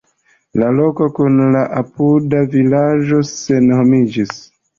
La loko kun la apuda vilaĝo senhomiĝis.